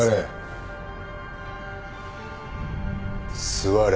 座れ。